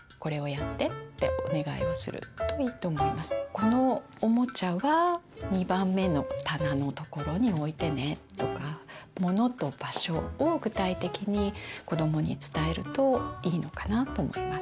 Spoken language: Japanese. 「このおもちゃは２番目の棚の所に置いてね」とかものと場所を具体的に子どもに伝えるといいのかなと思います。